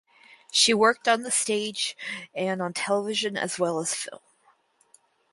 She worked on the stage and on television as well as film.